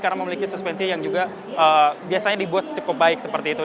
karena memiliki suspensi yang juga biasanya dibuat cukup baik seperti itu